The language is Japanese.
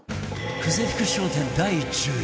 久世福商店第１０位